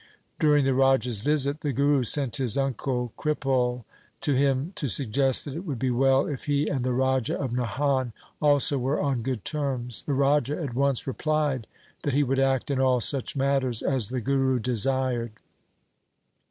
During the Raja's visit the Guru sent his uncle Kripal to him to suggest that it would be well if he and the Raja of Nahan also were on good terms. The Raja at once replied that he would act in all such matters as the Guru desired.